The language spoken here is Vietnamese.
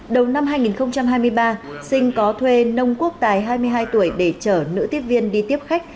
đầu năm hai nghìn hai mươi ba sinh có thuê nông quốc tài hai mươi hai tuổi để chở nữ tiếp viên đi tiếp khách